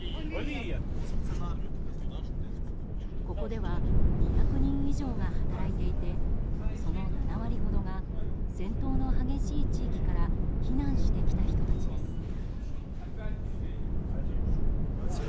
ここでは２００人以上が働いていてその７割ほどが戦闘の激しい地域から避難してきた人たちです。